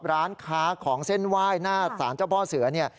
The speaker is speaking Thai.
ร้านค้าของเส้นไหว้หน้าสารเจ้าพ่อเสือเนี่ย